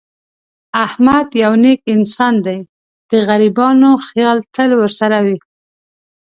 احمد یو نېک انسان دی. د غریبانو خیال تل ورسره وي.